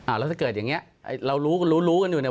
แล้วถ้าเกิดอย่างนี้เรารู้รู้กันอยู่เนี่ย